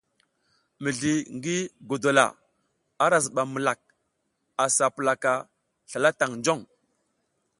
Mizli ngi godola ara zibam milak a sa pulaka slala tang jong.